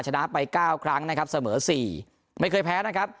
ชนะไป๙ครั้งนะครับเสมอ๔ไม่เคยแพ้นะครับ